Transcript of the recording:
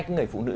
cái người phụ nữ